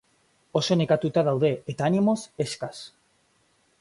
Oso nekatuta daude eta animoz eskas.